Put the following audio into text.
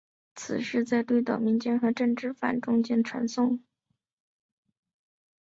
此事在绿岛民间和政治犯中间传诵。